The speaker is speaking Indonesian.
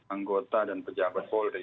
anggota dan pejabat polri